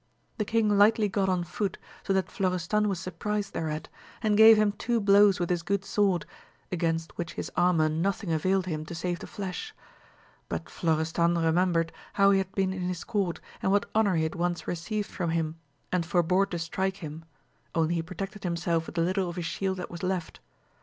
The king lightly got on foot, so that Florestan was sur prized thereat, and gave him two blows with his good sword, against which his armour nothing availed him to save the flesh ] but Florestan remembered how he had been in his court, and what honour he had once received from him, and forebore to strike him, only he protected himself with the little of his shield that was left.